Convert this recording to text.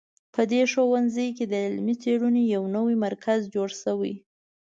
په دې ښوونځي کې د علمي څېړنو یو نوی مرکز جوړ شوی